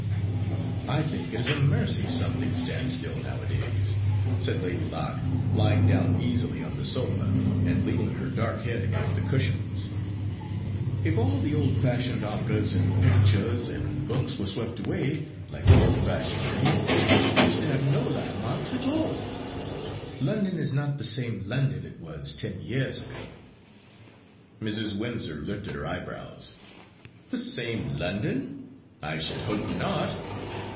"I think it is a mercy something stands still nowadays," said Lady Locke, lying down easily on the sofa, and leaning her dark head against the cushions. "If all the old fashioned operas and pictures and books were swept away, like the old fashioned people, we should have no landmarks at all. London is not the same London it was ten years ago." Mrs. Windsor lifted her eyebrows. "The same London! I should hope not.